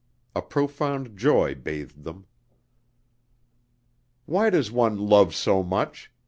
A profound joy bathed them. "Why does one love so much?"